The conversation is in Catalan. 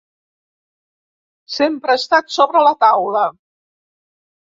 Sempre ha estat sobre la taula.